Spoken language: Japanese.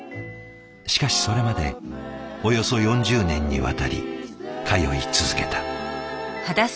しかしそれまでおよそ４０年にわたり通い続けた。